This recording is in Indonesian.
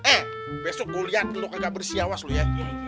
eh besok kuliahan lu kagak bersiawas lu ya